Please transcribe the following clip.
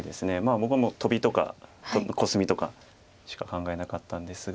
僕はトビとかコスミとかしか考えなかったんですが。